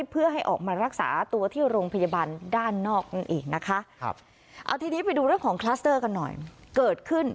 เขาบอกว่ามีคลัสเตอร์เกิดขึ้น